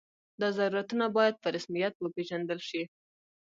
دا ضرورتونه باید په رسمیت وپېژندل شي.